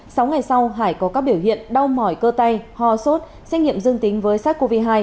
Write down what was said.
sáu ngày sau hải có các biểu hiện đau mỏi cơ tay ho sốt xét nghiệm dương tính với sars cov hai